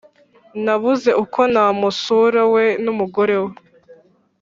Nabuze uko namusura we numugore we